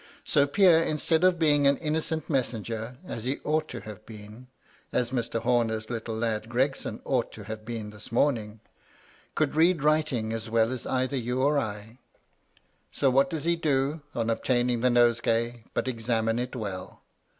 So Pierre, instead of being an innocent messenger, as he ought to have been — (as Mr. Horner's little lad Gregson ought to have been this morning) — could read writing as well as either you or I. So what does he do, on obtaining the nosegay, but examine it well.